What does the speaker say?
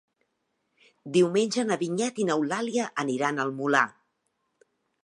Diumenge na Vinyet i n'Eulàlia aniran al Molar.